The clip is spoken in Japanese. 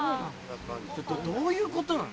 どういうことなの？